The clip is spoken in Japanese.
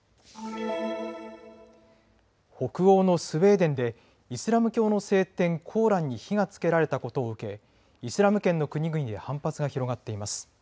北欧のスウェーデンでイスラム教の聖典、コーランに火がつけられたことを受けイスラム圏の国々で反発が広がっています。